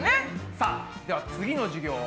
さあでは次の授業は。